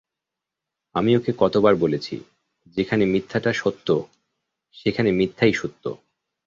আমি ওকে কতবার বলেছি, যেখানে মিথ্যাটা সত্য সেখানে মিথ্যাই সত্য।